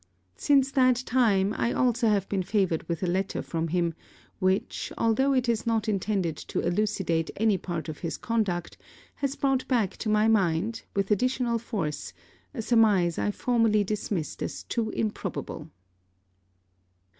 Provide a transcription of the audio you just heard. Since that time, I also have been favoured with a letter from him which, although it is not intended to elucidate any part of his conduct, has brought back to my mind, with additional force, a surmise I formerly dismissed as too improbable.